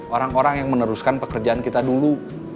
orang orang yang meneruskan pekerjaan kita dulu